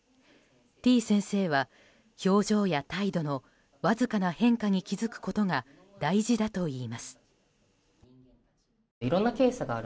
てぃ先生は表情や態度のわずかな変化に気付くことが大事だといいます。